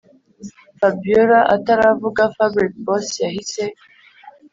fabiora ataravuga fabric boss yahise